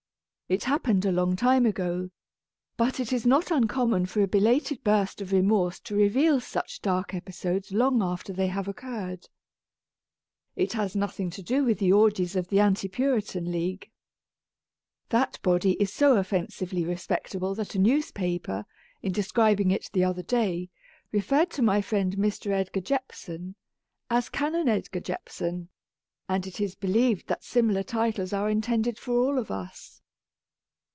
It happened a long time ago ; but it is not uncommon for a belated burst of remorse to reveal such dark episodes long after they have occurred. It has nothing to do with the orgies of the Anti Puritan League. That body is so offensively respectable that a newspaper, in describing it the other day, referred to my friend Mr. Edgar Jepson as Canon Edgar Jepson ; and it is believed that similar titles are intended for all of us.